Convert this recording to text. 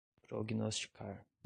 prognosticar